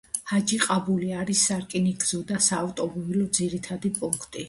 ჰაჯიყაბული არის სარკინიგზო და საავტომობილო ძირითადი პუნქტი.